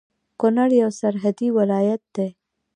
کونړ يو سرحدي ولايت دی